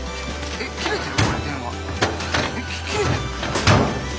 えっ切れてる？